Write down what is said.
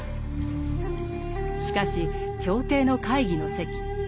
しかし朝廷の会議の席。